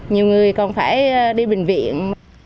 nhiều người còn phải đi bệnh viện